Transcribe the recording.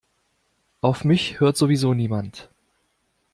Auf mich hört sowieso niemand.